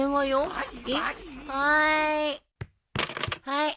はい。